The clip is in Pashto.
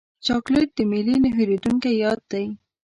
چاکلېټ د میلې نه هېرېدونکی یاد دی.